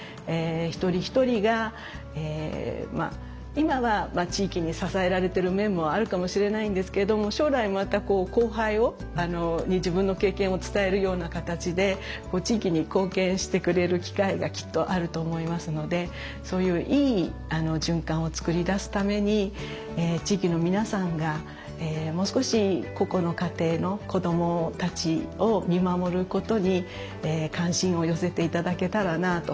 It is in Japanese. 一人一人がまあ今は地域に支えられてる面もあるかもしれないんですけども将来またこう後輩に自分の経験を伝えるような形で地域に貢献してくれる機会がきっとあると思いますのでそういういい循環を作り出すために地域の皆さんがもう少し個々の家庭の子どもたちを見守ることに関心を寄せて頂けたらなと。